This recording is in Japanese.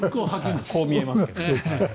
こう見えますけど。